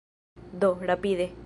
Do, rapide.